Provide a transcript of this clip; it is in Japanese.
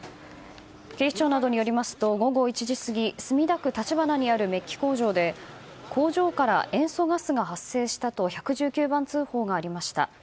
警視庁などによりますと午後１時過ぎ、墨田区立花にあるメッキ工場で、工場から塩素ガスが発生したと１１９番通報がありました。